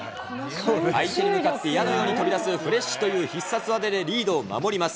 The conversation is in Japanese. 相手に向かって矢のように飛び出す、フレッシュという必殺技でリードを守ります。